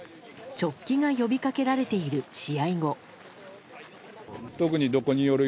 直帰が呼びかけられている試合後。